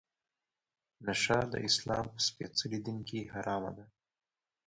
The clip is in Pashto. نشه د اسلام په سپیڅلي دین کې حرامه ده.